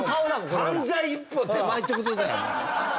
犯罪一歩手前って事だよ。